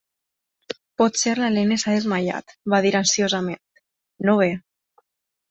"Potser la Helene s'ha desmaiat", va dir ansiosament, "no ve".